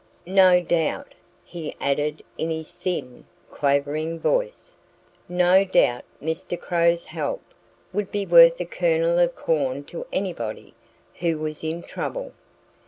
"No doubt " he added in his thin, quavering voice "no doubt Mr. Crow's help would be worth a kernel of corn to anybody who was in trouble.